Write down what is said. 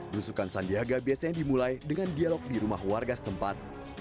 lusukan sandiaga biasanya dimulai dengan dialog di rumah warga setempat